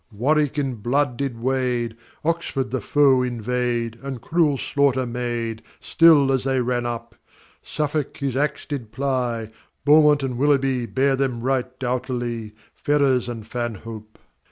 Warwick in blood did wade, Oxford the foe invade, And cruel slaughter made, Still as they ran up; Suffolk his ax did ply, Beaumont and Willoughby Bare them right doughtily, Ferrers and Fanhope.